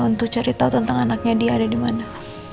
untuk cari tau tentang anaknya dia ada dimana